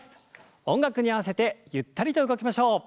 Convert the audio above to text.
音楽に合わせてゆったりと動きましょう。